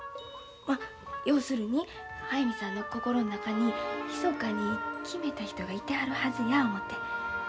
要するに速水さんの心の中にひそかに決めた人がいてはるはずや思て。